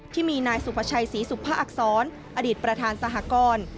ที่มีนายสุภาชัยศรีสุภาอักษรอดีตประธานสหกร